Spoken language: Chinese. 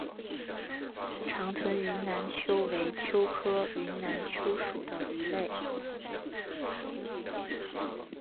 长臀云南鳅为鳅科云南鳅属的鱼类。